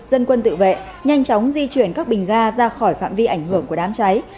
dân quân tự vệ nhanh chóng di chuyển các bình ga ra khỏi phạm vi ảnh hưởng của đám cháy